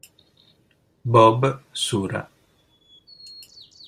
Bob Sura